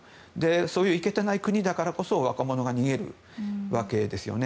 そういういけてない国だからこそ若者が逃げるわけですよね。